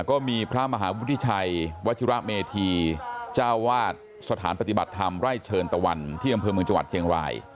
ก็มีพระมหาวุฒิชัยวัชิระเมธีเจ้าวาดสถานปฏิบัติธรรมไร่เชิญตะวันที่อำเภอเมืองจังหวัดเชียงราย